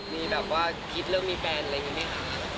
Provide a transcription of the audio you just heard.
มีแบบว่าคิดเรื่องมีแฟนอะไรอย่างนี้ไหมคะ